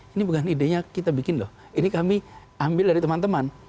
ini bukan idenya kita bikin loh ini kami ambil dari teman teman